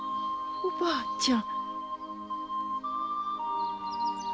おばあちゃん！